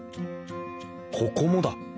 ここもだ。